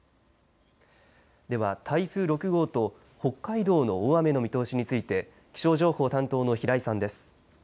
では、台風６号と北海道の大雨の見通しについて気象情報担当の平井さんです。